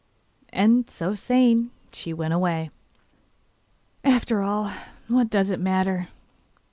And, so saying, she went away. 'After all, what does it matter?